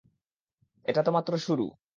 এটা তো মাত্র শুরু!